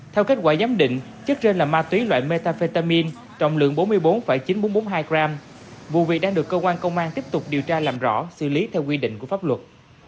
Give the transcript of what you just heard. theo kết quả giám định chất trên là ma túy loại metafetamin trọng lượng bốn mươi bốn chín nghìn bốn trăm bốn mươi hai gram vụ việc đang được cơ quan công an tiếp tục điều tra làm rõ xử lý theo quy định của pháp luật